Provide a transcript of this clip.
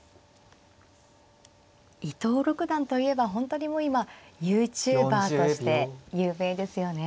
伊藤六段といえば本当にもう今ユーチューバーとして有名ですよね。